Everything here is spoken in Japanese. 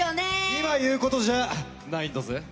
今言うことじゃないんだぜ。